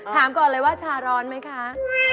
ถามก่อนเลยว่าชาร้อนไหมคะ